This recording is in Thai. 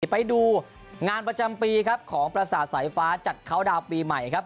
ไปดูงานประจำปีครับของประสาทสายฟ้าจัดเข้าดาวน์ปีใหม่ครับ